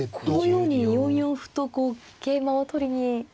このように４四歩とこう桂馬を取りに。